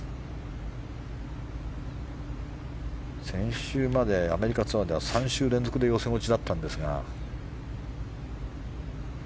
先週までアメリカツアーでは３週連続で予選落ちだったんですが。